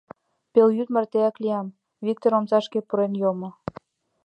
Пелйӱд мартеак лиям, — Виктыр омсашке пурен йомо.